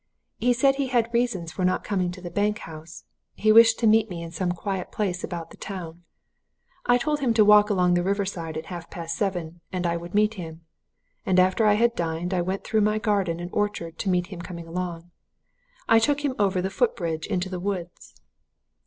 He said he had reasons for not coming to the Bank House; he wished to meet me in some quiet place about the town. I told him to walk along the river side at half past seven, and I would meet him. And after I had dined I went out through my garden and orchard and met him coming along. I took him over the foot bridge into the woods.